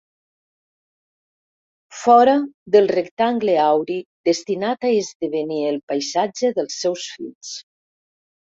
Fora del rectangle auri destinat a esdevenir el paisatge dels seus fills.